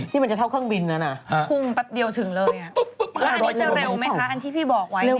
นี่มันจะเท่าเครื่องบินนั่นอ่ะพรุ่งปั๊บเดียวถึงเลยอ่ะว่าอันนี้จะเร็วไหมคะอันที่พี่บอกไว้เนี่ย